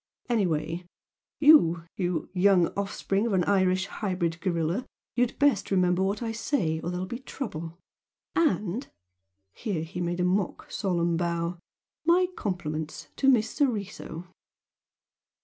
Anyway, YOU you young offspring of an Irish hybrid gorilla you'd best remember what I say, or there'll be trouble! And" here he made a mock solemn bow "My compliments to Miss Soriso!"